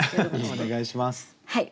お願いします。